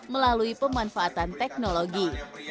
melalui pemanfaatan teknologi